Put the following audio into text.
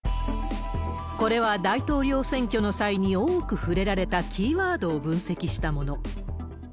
これは大統領選挙の際に多く触れられたキーワードを分析したもの。